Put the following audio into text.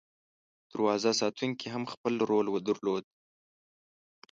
دروازه ساتونکي هم خپل رول درلود.